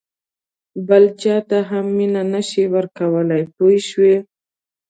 بل چاته هم مینه نه شې ورکولای پوه شوې!.